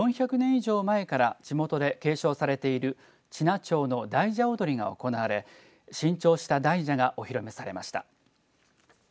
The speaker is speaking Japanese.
以上前から地元で継承されている知名町の大蛇踊りが行われ新調した大蛇がお披露目されました。